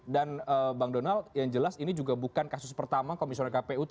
dan bang donald yang jelas ini juga bukan kasus pertama komisioner kpu terjaring ott kpk